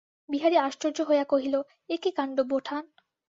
বিহারী আশ্চর্য হইয়া কহিল, এ কী কাণ্ড, বোঠান!